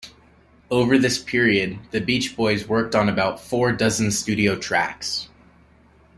Over this period, the Beach Boys worked on about four dozen studio tracks.